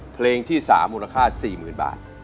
เพลงที่๓มูลค่า๔๐๐๐บาท